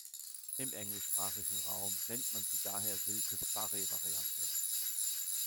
Im englischsprachigen Raum nennt man sie daher "Wilkes-Barre"-Variante.